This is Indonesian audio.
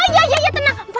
ya ya ya tenang